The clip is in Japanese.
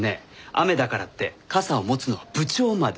雨だからって傘を持つのは部長まで。